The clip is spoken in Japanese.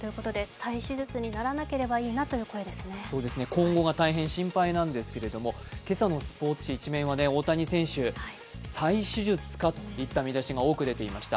今後が大変心配なんですけれども、今朝のスポーツ紙１面は大谷選手、「再手術か」といった見出しが多く出ていました。